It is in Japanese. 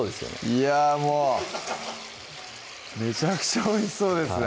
いやもうめちゃくちゃ美味しそうですね